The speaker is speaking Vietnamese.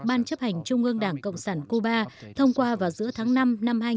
ban chấp hành trung ương đảng cộng sản cuba thông qua vào giữa tháng năm năm hai nghìn hai mươi